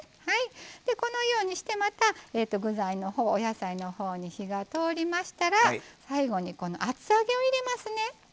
このようにして、また具材のほうお野菜のほうに火が通りましたら最後に厚揚げを入れますね。